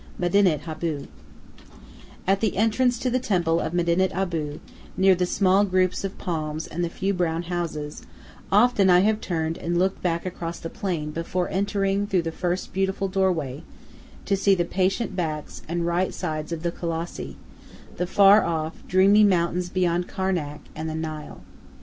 X MEDINET ABU At the entrance to the temple of Medinet Abu, near the small groups of palms and the few brown houses, often have I turned and looked back across the plain before entering through the first beautiful doorway, to see the patient backs and right sides of the Colossi, the far off, dreamy mountains beyond Karnak and the Nile.